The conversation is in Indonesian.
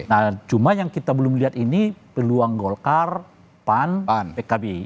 nah cuma yang kita belum lihat ini peluang golkar pan pkb